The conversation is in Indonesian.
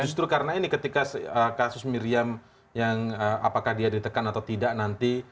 justru karena ini ketika kasus miriam yang apakah dia ditekan atau tidak nanti